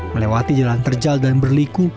melewati jalan terjal dan berliku